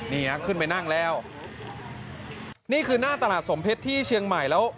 ขึ้นไปนั่งแล้วนี่คือหน้าตลาดสมเพชรที่เชียงใหม่แล้ว